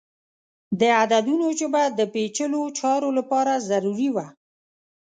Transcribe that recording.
د عددونو ژبه د پیچلو چارو لپاره ضروری وه.